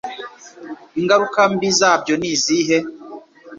Ingaruka mbi zabyo ni izihe